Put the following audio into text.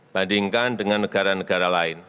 bandingkan dengan negara negara lain